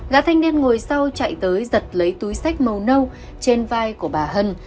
gá thanh niên ngồi sau chạy tới giật lấy túi sách màu nâu trên vai của bà hân